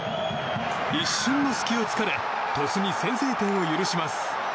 一瞬の隙を突かれ鳥栖に先制点を許します。